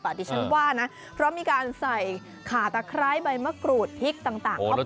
ดิฉันว่านะเพราะมีการใส่ขาตะไคร้ใบมะกรูดพริกต่างเข้าไป